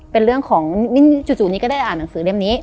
เป็นเรื่องของจู่นี้ก็ได้อ่านหนังสือเล่มนี้